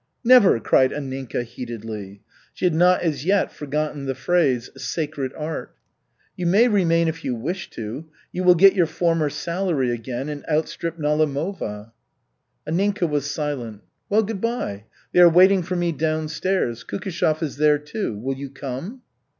"Never!" cried Anninka heatedly. She had not as yet forgotten the phrase, "sacred art." "You may remain if you wish to. You will get your former salary again and outstrip Nalimova." Anninka was silent. "Well, good by. They are waiting for me downstairs. Kukishev is there, too. Will you come?"